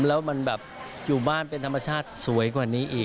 แล้วมันแบบอยู่บ้านเป็นธรรมชาติสวยกว่านี้อีก